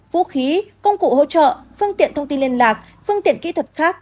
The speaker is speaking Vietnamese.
vũ khí công cụ hỗ trợ phương tiện thông tin liên lạc phương tiện kỹ thuật khác